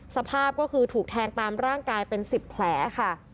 สภาพก็คือถูกแทงตามร่างกายเป็น๑๐แผลค่ะ